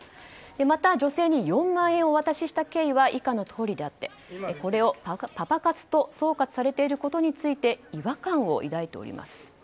また、女性に４万円をお渡しした経緯は以下のとおりであってこれをパパ活と総括されていることについて違和感を抱いております。